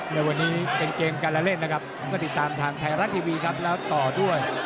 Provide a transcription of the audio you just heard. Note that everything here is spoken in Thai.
ในวันนี้เป็นเกมการละเล่นนะครับก็ติดตามทางไทยรัฐทีวีครับแล้วต่อด้วย